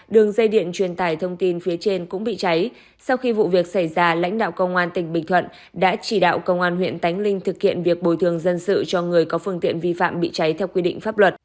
đường dây điện truyền tải thông tin phía trên cũng bị cháy sau khi vụ việc xảy ra lãnh đạo công an tỉnh bình thuận đã chỉ đạo công an huyện tánh linh thực hiện việc bồi thường dân sự cho người có phương tiện vi phạm bị cháy theo quy định pháp luật